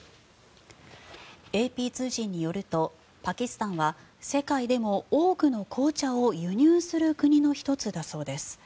ＡＰ通信によるとパキスタンは世界でも多くの紅茶を輸入する国の１つだそうです。